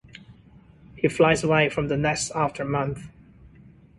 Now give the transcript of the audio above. He flies away from the Nest after a month.